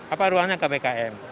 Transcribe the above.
apa ruangnya kbkm